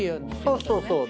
そうそうそう。